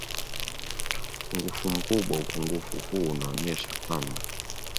upungufu mkubwaUpungufu huu unaonyesha kwamba